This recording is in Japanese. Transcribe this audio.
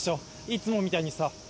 いつもみたいにさ。